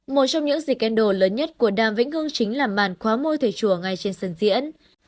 một trong những scandal lớn nhất của đàm vĩnh hương chính là màn khóa môi thể chùa ngay trên sân diễn